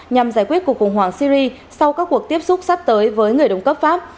nhằm giải quyết cuộc khủng hoảng syri sau các cuộc tiếp xúc sắp tới với người đồng cấp pháp